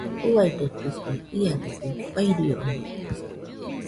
Uaidotɨkue, iadedɨ fairioñede.